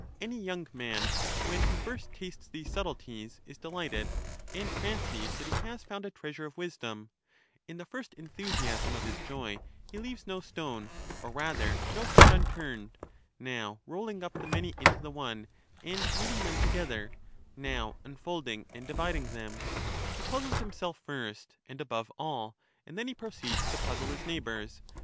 Any young man, when he first tastes these subtleties, is delighted, and fancies that he has found a treasure of wisdom ; in the first enthusiasm of his joy he leaves no stone, or rather no thought unturned, now rolling up the many into the one, and kneading them together, now unfolding and dividing them ;NTr'puzzles himself first and Digitized by VjOOQIC Socrates favourite method, 581 above all, and then he proceeds to puzzle his neighbours, PhiUbus.